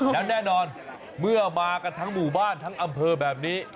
แล้วแน่นอนเมื่อมากันทั้งหมู่บ้านทั้งอำเภอแบบนี้